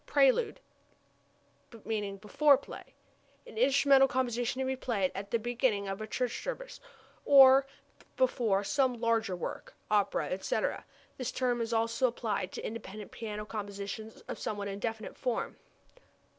Prelude (lit. before play) an instrumental composition to be played at the beginning of a church service, or before some larger work (opera, etc.). The term is also applied to independent piano compositions of somewhat indefinite form.